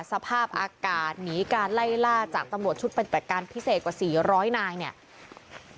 สภาพอากาศหนีการไล่ล่าจากตำรวจชุดปฏิบัติการพิเศษกว่า๔๐๐นายเนี่ย